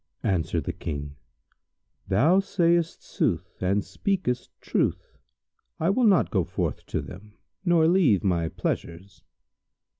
Answered the King, "Thou sayst sooth, and speakest truth. I will not go forth to them nor leave my pleasures."